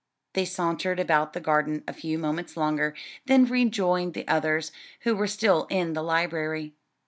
They sauntered about the garden a few moments longer, then rejoined the others, who were still in the library.